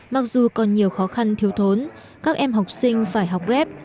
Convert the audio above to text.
mặc dù còn nhiều khó khăn thiếu thốn các em học sinh phải học ghép